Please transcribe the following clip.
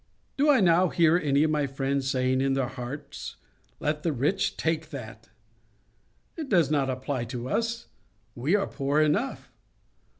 "Do I now hear any of my friends saying in their hearts: Let the rich take that! It does not apply to us. We are poor enough?